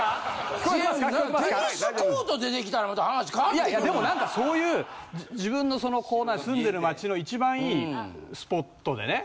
いやいやでも何かそういう自分の住んでる街の一番いいスポットでね。